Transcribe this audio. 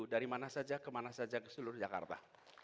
dari mana saja ke mana saja seluruh jakarta